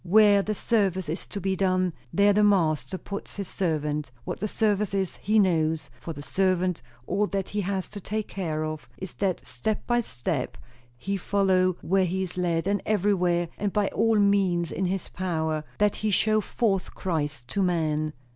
Where the service is to be done, there the Master puts his servant; what the service is, he knows; for the servant, all that he has to take care of is, that step by step he follow where he is led, and everywhere, and by all means in his power, that he show forth Christ to men.